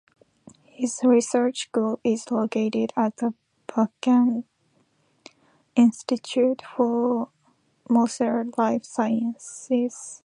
His research group is located at the Buchmann Institute for Molecular Life Sciences.